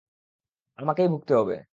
আমাকেই ভুগতে হবে!